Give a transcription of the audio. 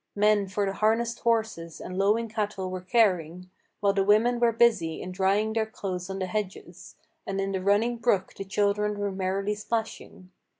Men for the harnessed horses and lowing cattle were caring, While the women were busy in drying their clothes on the hedges, And in the running brook the children were merrily splashing.